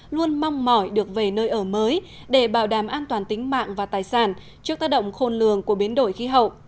luôn mong mỏi được về nơi ở mới để bảo đảm an toàn tính mạng và tài sản trước tác động khôn lường của biến đổi khí hậu